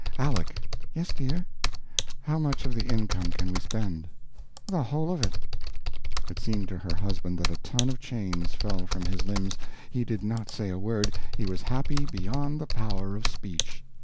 Aleck!" "Yes, dear?" "How much of the income can we spend?" "The whole of it." It seemed to her husband that a ton of chains fell from his limbs. He did not say a word; he was happy beyond the power of speech.